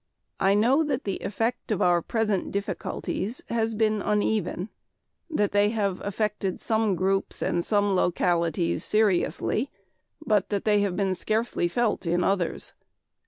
I know that the effect of our present difficulties has been uneven; that they have affected some groups and some localities seriously, but that they have been scarcely felt in others.